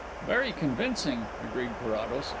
"Very convincing," agreed Carrados.